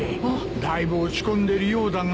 だいぶ落ち込んでるようだが。